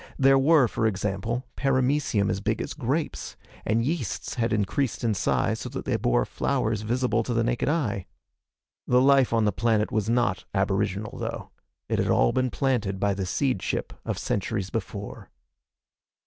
There were, for example, paramecium as big as grapes, and yeasts had increased in size so that they bore flowers visible to the naked eye. The life on the planet was not aboriginal, though. It had all been planted by the seed ship of centuries before.